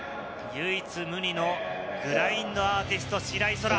唯一無二のグラインドアーティスト・白井空良。